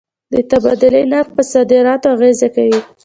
د تبادلې نرخ پر صادراتو اغېزه کوي.